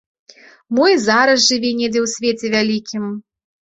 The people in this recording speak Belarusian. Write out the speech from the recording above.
Мо і зараз жыве недзе ў свеце вялікім.